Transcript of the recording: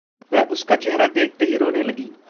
वह उसका चेहरा देखते ही रोने लगी।